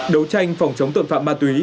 đấu tranh phòng chống tội phạm ma túy